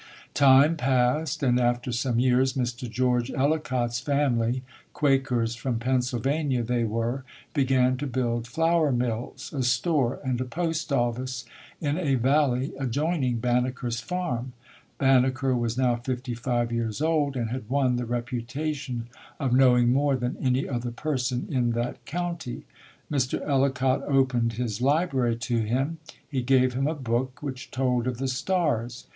Time passed, and after some years Mr. George Ellicott's family Quakers from Pennsylvania they were began to build flour mills, a store and a post office in a valley adjoining Banneker's farm. Banneker was now fifty five years old, and had won the reputation of knowing more than any other person in that county. Mr. Ellicott opened his library to him. He gave him a book which told of the stars.